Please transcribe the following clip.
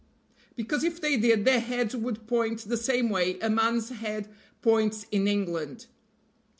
"Because if they did their heads would point the same way a man's head points in England."